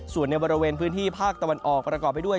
ส่วนในบริเวณพื้นที่ภาคตะวันออกประกอบไปด้วย